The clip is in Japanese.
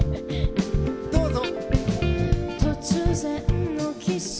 どうぞ！